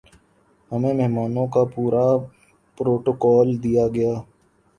ہمیں مہمانوں کا پورا پروٹوکول دیا گیا